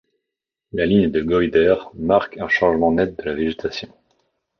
La ligne de Goyder marque un changement net de la végétation.